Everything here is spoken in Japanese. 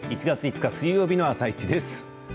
１月５日水曜日の「あさイチ」です。